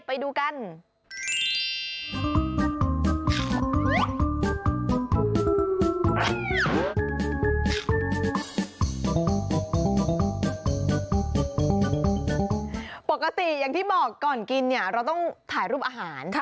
ปกติอย่างที่บอกก่อนกินเนี่ยเราต้องถ่ายรูปอาหาร